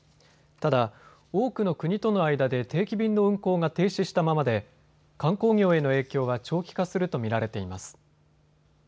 ただ、多くの国との間で定期便の運航が停止したままで観光業への影響は長期化すると見られています。